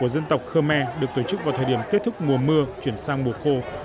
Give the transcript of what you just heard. dân tộc khơ me được tổ chức vào thời điểm kết thúc mùa mưa chuyển sang mùa khô